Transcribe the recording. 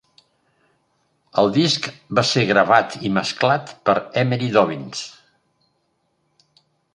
El disc va ser gravat i mesclat per Emery Dobyns.